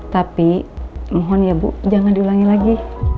tapi mohon ya bu jangan diulangi lagi